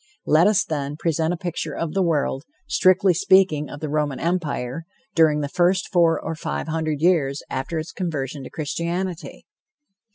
Let us, then, present a picture of the world, strictly speaking, of the Roman Empire, during the first four or five hundred years after its conversion to Christianity.